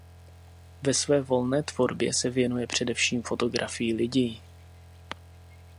Ve své volné tvorbě se věnuje především fotografii lidí.